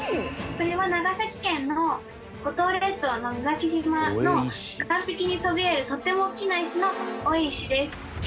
これは長崎県の五島列島の野崎島の岸壁にそびえるとっても大きな石の王位石です。